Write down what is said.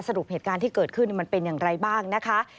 สรุปเหตุการณ์ที่เกิดขึ้นมันเป็นอย่างไรบ้างนะคะ